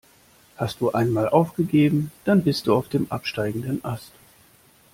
Hast du einmal aufgegeben, dann bist du auf dem absteigenden Ast.